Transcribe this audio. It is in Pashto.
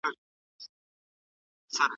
دوستان به له لاسه ورکول سي.